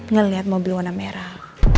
ngeliat mobil warna merah